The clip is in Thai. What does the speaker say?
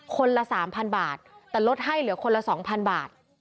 คนละ๓๐๐บาทแต่ลดให้เหลือคนละ๒๐๐บาท